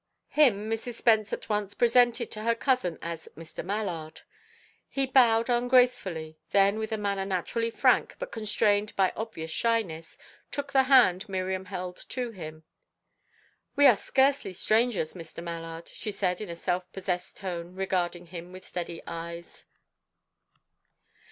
Him Mrs. Spence at once presented to her cousin as "Mr. Mallard." He bowed ungracefully; then, with a manner naturally frank but constrained by obvious shyness, took the hand Miriam held to him. "We are scarcely strangers, Mr. Mallard," she said in a self possessed tone, regarding him with steady eyes.